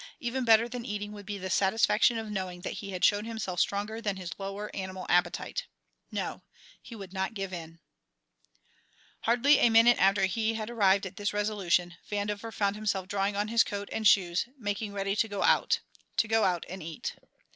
Even better than eating would be the satisfaction of knowing that he had shown himself stronger than his lower animal appetite. No; he would not give in. Hardly a minute after he had arrived at this resolution Vandover found himself drawing on his coat and shoes making ready to go out to go out and eat.